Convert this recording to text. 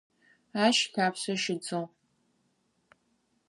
Ащ лъапсэ щыдзыгъ.